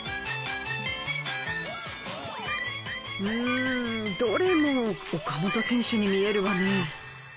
んどれも岡本選手に見えるわね。